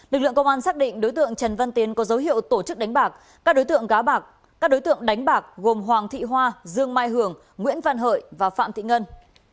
lực lượng công an xác định đối tượng trần văn tiến có dấu hiệu tổ chức đánh bạc các đối tượng đánh bạc gồm hoàng thị hoa dương mai hưởng nguyễn văn hội và phạm thị ngân